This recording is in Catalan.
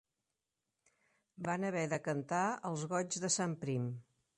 Van haver de cantar els goigs de Sant Prim